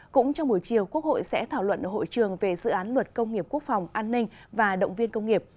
cũng trong buổi chiều quốc hội sẽ thảo luận ở hội trường về dự án luật công nghiệp quốc phòng an ninh và động viên công nghiệp